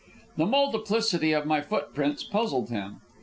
The multiplicity of my footprints puzzled him.